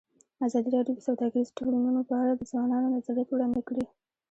ازادي راډیو د سوداګریز تړونونه په اړه د ځوانانو نظریات وړاندې کړي.